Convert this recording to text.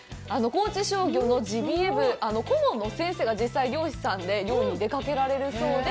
高知商業のジビエ部、顧問の先生が実際猟師さんで、猟に出かけられるそうで。